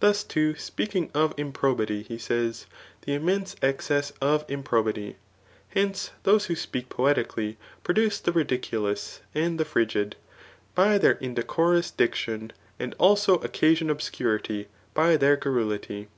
Thus too speaking of impto« bity he says, the immense eacess qf improhity» Hence^ those who speak poetically produce the ridiculous spid thci frigid, by their indecorous diction, and alto occasion obscurity, by their garrulity.